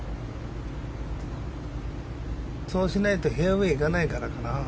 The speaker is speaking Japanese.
そうしないとフェアウェーいかないからかな。